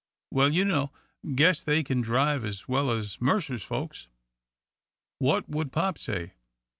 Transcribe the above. "Well, you know " "Guess they kin drive as well as Mercer's folks." "What would pop say?"